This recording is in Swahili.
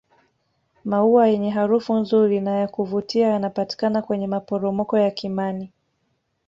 maua yenye harufu nzuri na yakuvutia yanapatikana kwenye maporomoko ya kimani